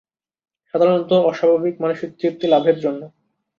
সাধারণত অস্বাভাবিক মানসিক তৃপ্তি লাভের জন্য।